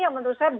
yang menurut saya